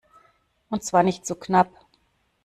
Und zwar nicht zu knapp!